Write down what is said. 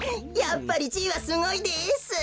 やっぱりじいはすごいです！